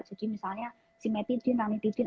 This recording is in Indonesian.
jadi misalnya simetidin ranitidin